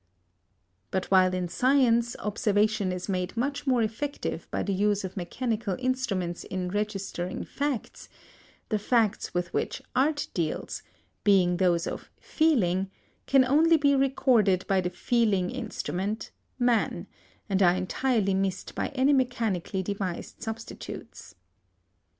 But while in science observation is made much more effective by the use of mechanical instruments in registering facts, the facts with which art deals, being those of feeling, can only be recorded by the feeling instrument man, and are entirely missed by any mechanically devised substitutes.